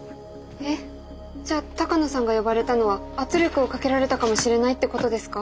えっじゃあ鷹野さんが呼ばれたのは圧力をかけられたかもしれないってことですか？